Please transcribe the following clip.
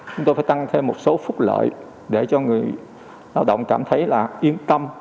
chúng tôi phải tăng thêm một số phúc lợi để cho người lao động cảm thấy là yên tâm